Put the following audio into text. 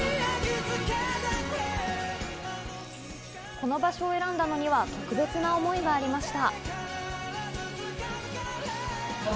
この場所を選んだのには特別な思いがありました。